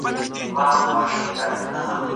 هغه انقلابونه چي د ظلم پر وړاندي وي بريالي کېږي.